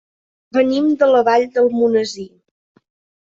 Venim de la Vall d'Almonesir.